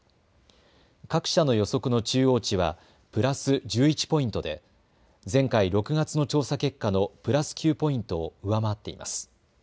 各社の予測の中央値はプラス１１ポイントで前回６月の調査結果のプラス９ポイントを上回っています。